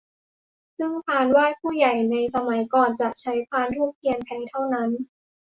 ซึ่งพานไหว้ผู้ใหญ่ในสมัยก่อนจะใช้พานธูปเทียนแพเท่านั้น